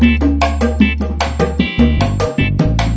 dik dik itu juga menang